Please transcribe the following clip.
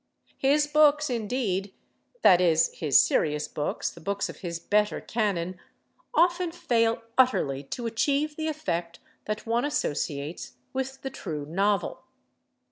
His books, indeed,—that is, his serious books, the books of his better canon—often fail utterly to achieve the effect that one associates with the true novel.